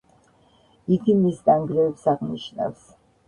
იგი მის ნანგრევებს აღნიშნავს.